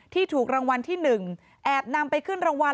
ถูกรางวัลที่๑แอบนำไปขึ้นรางวัล